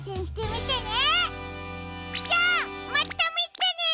じゃあまたみてね！